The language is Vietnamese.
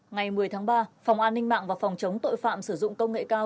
ngày một mươi tháng ba phòng an ninh mạng và phòng chống tội phạm sử dụng công nghệ cao